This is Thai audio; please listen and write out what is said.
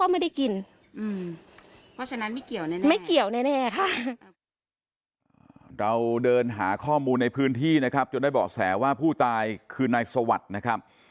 มาซื้อเหล้าที่ร้านค้าในซอยแถวนั้นนะครับ